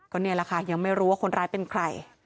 ก็นี่แหละค่ะยังไม่รู้ว่าคนร้ายเป็นใคร